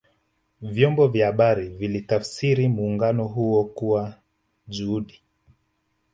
vyombo vya habari vilitafsiri muungano huo kuwa juhudi